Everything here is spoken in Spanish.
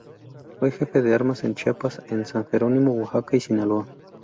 Fue jefe de armas en Chiapas, en San Jerónimo, Oaxaca y Sinaloa.